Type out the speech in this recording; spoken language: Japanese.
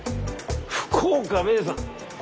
「福岡名産」。